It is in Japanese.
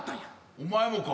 お前もか。